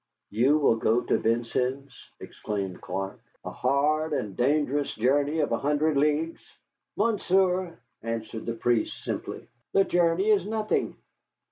"You will go to Vincennes!" exclaimed Clark; "a hard and dangerous journey of a hundred leagues!" "Monsieur," answered the priest, simply, "the journey is nothing.